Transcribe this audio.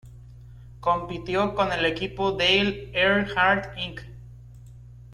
Compitió con el equipo Dale Earnhardt Inc.